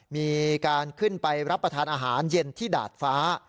มีการขึ้นไปรับประทานอาหารเย็นที่ดาดฟ้า